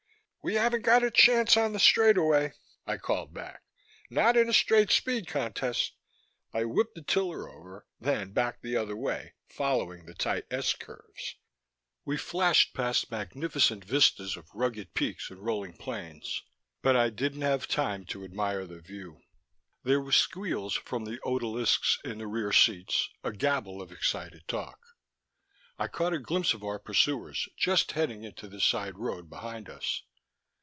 "We haven't got a chance on the straightaway," I called back. "Not in a straight speed contest." I whipped the tiller over, then back the other way, following the tight S curves. We flashed past magnificent vistas of rugged peaks and rolling plains, but I didn't have time to admire the view. There were squeals from the odalisques in the rear seats, a gabble of excited talk. I caught a glimpse of our pursuers, just heading into the side road behind us.